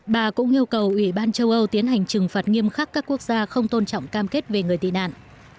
bà cũng yêu cầu ủy ban châu âu tiến hành trừng phạt nghiêm khắc các quốc gia không tôn trọng cam kết về người tị nạn